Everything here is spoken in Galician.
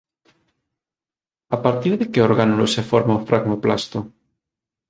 A partir de que orgánulo se forma o fragmoplasto?.